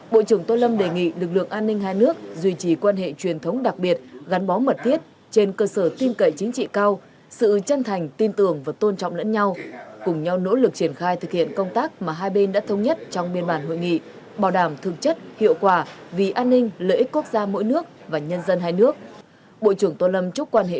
bộ trưởng tô lâm đề nghị lực lượng an ninh hai nước duy trì quan hệ truyền thống đặc biệt gắn bó mật thiết trên cơ sở tin cậy chính trị cao sự chân thành tin tưởng và tôn trọng lẫn nhau cùng nhau nỗ lực triển khai thực hiện công tác mà hai bên đã thống nhất trong biên bản hội nghị bảo đảm thực chất hiệu quả vì an ninh lợi ích quốc gia mỗi nước và nhân dân hai nước